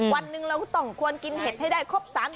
วันหนึ่งเราก็ต้องควรกินเห็ดให้ได้ครบ๓๐